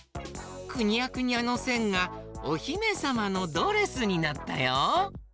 くにゃくにゃのせんが「おひめさまのドレス」になったよ！